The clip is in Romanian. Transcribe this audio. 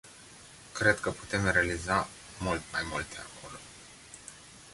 Cred că putem realiza mult mai multe acolo.